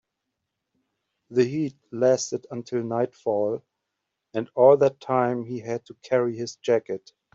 The heat lasted until nightfall, and all that time he had to carry his jacket.